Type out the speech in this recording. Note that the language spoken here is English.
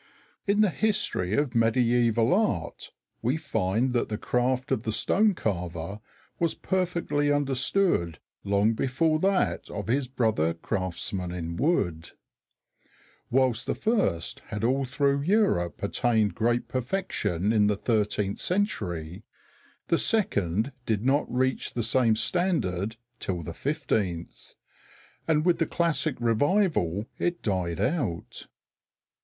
In the history of Mediæval Art we find that the craft of the stone carver was perfectly understood long before that of his brother craftsman in wood. Whilst the first had all through Europe attained great perfection in the thirteenth century, the second did not reach the same standard till the fifteenth, and with the classic revival it died out.